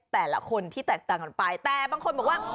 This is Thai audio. แต่ละคนที่แตกต่างกันไปแต่บางคนบอกว่า